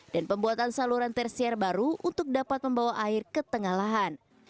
dan pembuatan saluran tersier baru untuk dapat membawa air ke tengah lahan